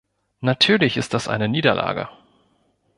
Natürlich ist das eine Niederlage.